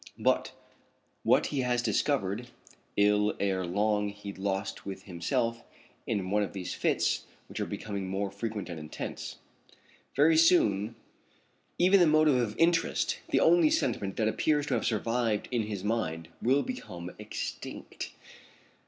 But what he has discovered will ere long be lost with himself in one of these fits which are becoming more frequent and intense. Very soon even the motive of interest, the only sentiment that appears to have survived in his mind, will become extinct."